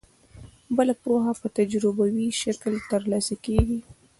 بله پوهه په تجربوي شکل ترلاسه کیږي.